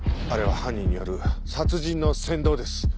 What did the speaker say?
あれは犯人による殺人の扇動です。